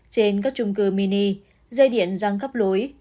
trên các trung cư mini dây điện răng gấp lối